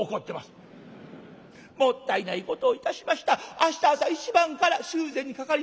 明日朝一番から修繕にかかります。